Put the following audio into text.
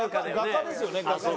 画家ですよね。